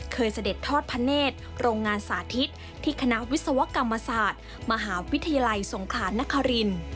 เสด็จทอดพระเนธโรงงานสาธิตที่คณะวิศวกรรมศาสตร์มหาวิทยาลัยสงขลานนคริน